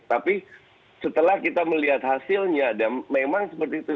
tapi setelah kita melihat hasilnya dan memang seperti itu